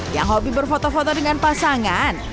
yang hobi berfoto foto dengan pasangan